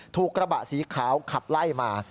ถูกกระบะสีขาวขับไล่มา